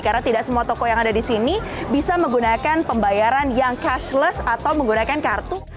karena tidak semua toko yang ada di sini bisa menggunakan pembayaran yang cashless atau menggunakan kartu